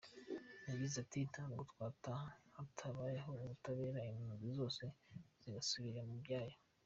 Yagize ati “Ntabwo twataha hatabaye ubutabera impunzi zose zigasubira mu byazo.